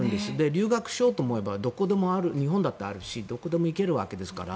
留学しようと思えば日本だってあるしどこでも行けるわけですから。